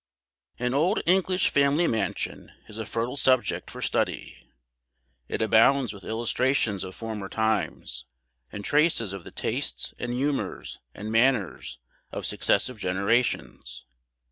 An old English family mansion is a fertile subject for study. It abounds with illustrations of former times, and traces of the tastes, and humours, and manners of successive generations.